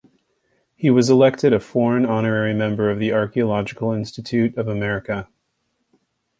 He was elected a Foreign Honorary Member of the Archaeological Institute of America.